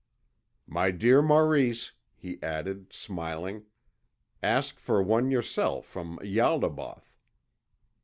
"My dear Maurice," he added, smiling, "ask for one yourself from Ialdabaoth."